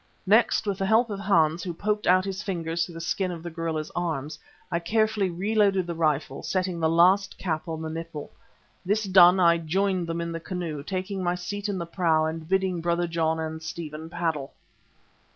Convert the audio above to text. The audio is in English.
Next with the help of Hans who poked out his fingers through the skin of the gorilla's arms, I carefully re loaded the rifle, setting the last cap on the nipple. This done, I joined them in the canoe, taking my seat in the prow and bidding Brother John and Stephen paddle.